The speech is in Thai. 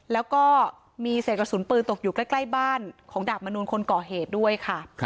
แล้วก็มีเศษกระสุนปืนตกอยู่ใกล้บ้านของดาบมนูลคนก่อเหตุด้วยค่ะ